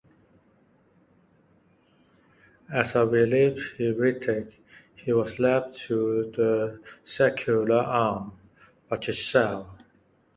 As a relapsed heretic, he was left to the secular arm by Chichele.